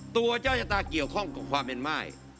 ตัวเจ้าชะตาเกี่ยวข้องกับความเป็นม่าย